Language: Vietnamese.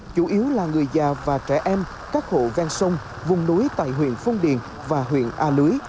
chủ yếu là người già và trẻ em các hộ ven sông vùng núi tại huyện phong điền và huyện a lưới